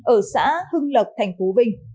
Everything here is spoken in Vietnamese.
ở xã hưng lập tp vinh